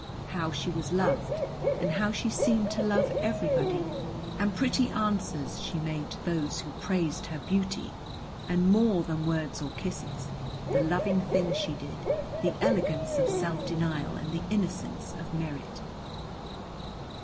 How she was loved, and how she seemed to love everybody, and pretty answers she made to those who praised her beauty, and more than words or kisses, the loving things she did, the elegance of self denial, and the innocence of merit.